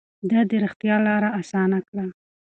ده د رښتيا لاره اسانه کړه.